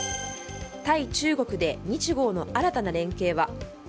対中国で日豪の新たな連携は。